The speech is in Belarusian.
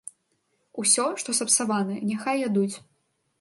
Усё, што сапсаванае, няхай ядуць.